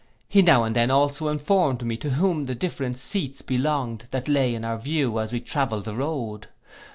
He now and then also informed me to whom the different seats belonged that lay in our view as we travelled the road.